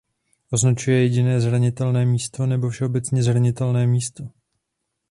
Označuje „jediné zranitelné místo“ nebo všeobecně „zranitelné místo“.